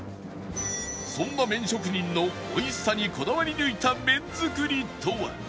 そんな麺職人の美味しさにこだわり抜いた麺づくりとは？